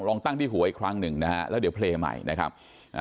ลองตั้งที่หัวอีกครั้งหนึ่งนะฮะแล้วเดี๋ยวเพลย์ใหม่นะครับอ่า